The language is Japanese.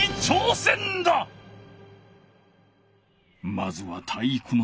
まずは体育ノ